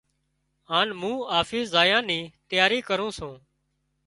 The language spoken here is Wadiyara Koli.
هانَ مُون آفيس زايا نِي تياري ڪروُن سُون۔